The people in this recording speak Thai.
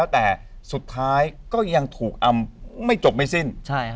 แต่สุดท้ายก็ยังถูกอำไม่จบไม่สิ้น